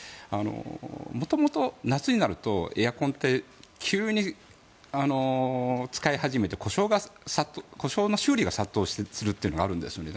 元々、夏になるとエアコンって急に使い始めて故障の修理が殺到するというのがあるんですよね。